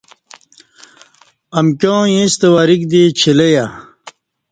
امکیاں ایݩستہ وریک دی چیلیہ